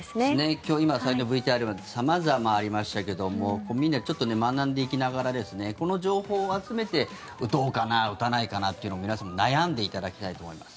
今日、今最初のＶＴＲにもあった様々ありましたけども、みんなちょっと学んでいきながらこの情報を集めて、どうかな打たないかなというのを皆さん悩んでいただきたいと思います。